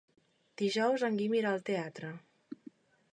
Dijous en Guim irà al teatre.